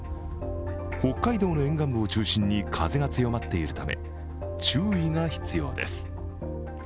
北海道の沿岸部を中心に風が強まっているため、注意が必要です。